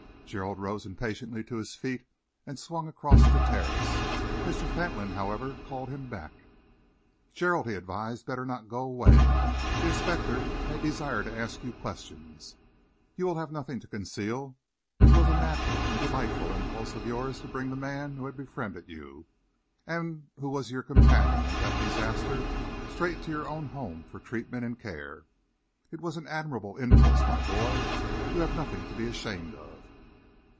Gerald rose impatiently to his feet and swung across the terrace. Mr. Fentolin, however, called him back. "Gerald," he advised, "better not go away. The inspector may desire to ask you questions. You will have nothing to conceal. It was a natural and delightful impulse of yours to bring the man who had befriended you, and who was your companion in that disaster, straight to your own home for treatment and care. It was an admirable impulse, my boy. You have nothing to be ashamed of."